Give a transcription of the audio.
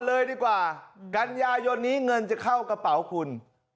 เลยดีกว่ากันยายนนี้เงินจะเข้ากระเป๋าคุณ